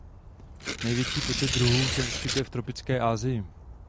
Největší počet druhů se vyskytuje v tropické Asii.